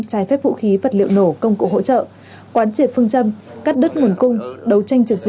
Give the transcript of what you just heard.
trái phép vũ khí vật liệu nổ công cụ hỗ trợ quán triệt phương châm cắt đứt nguồn cung đấu tranh trực